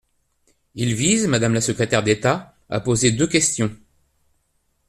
Il vise, madame la secrétaire d’État, à poser deux questions.